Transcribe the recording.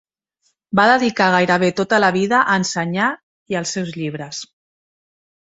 Va dedicar gairebé tota la vida a ensenyar i als seus llibres.